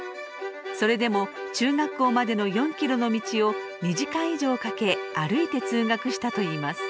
それでも中学校までの４キロの道を２時間以上かけ歩いて通学したといいます。